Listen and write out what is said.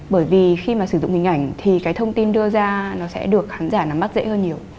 bởi vì khi mà sử dụng hình ảnh thì cái thông tin đưa ra nó sẽ được khán giả nắm mắc dễ hơn nhiều